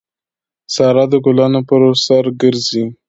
سارا د ګلانو پر سر ګرځي.